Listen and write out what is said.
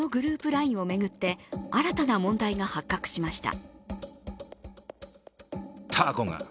ＬＩＮＥを巡って新たな問題が発覚しました。